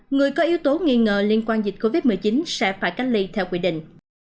người có yếu tố nghi ngờ liên quan dịch covid một mươi chín sẽ phải cách ly theo quy định